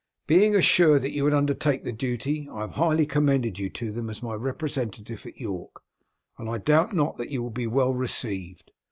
Being assured that you would undertake the duty I have highly commended you to them as my representative at York, and I doubt not that you will be well received.